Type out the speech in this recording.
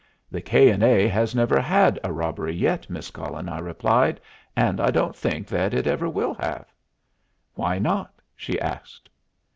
"The K. & A. has never had a robbery yet, Miss Cullen," I replied, "and I don't think that it ever will have." "Why not?" she asked.